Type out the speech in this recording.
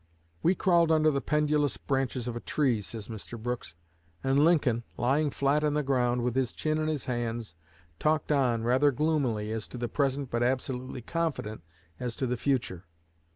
"We crawled under the pendulous branches of a tree," says Mr. Brooks, "and Lincoln, lying flat on the ground, with his chin in his hands, talked on, rather gloomily as to the present but absolutely confident as to the future.